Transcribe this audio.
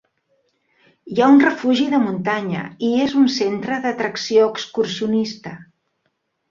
Hi ha un refugi de muntanya, i és un centre d'atracció excursionista.